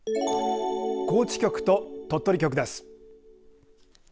高知局と鳥取局です。